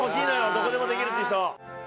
どこでもできるっていう人。